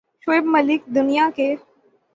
شعیب ملک دنیا کے